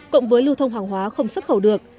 cộng với lưu thông hàng hóa không xuất khẩu được